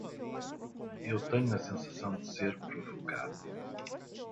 Eu tenho a sensação de ser provocado